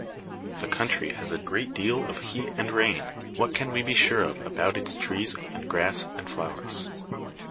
If a country has a great deal of heat and rain; what can we be sure of about its trees and grass and flowers?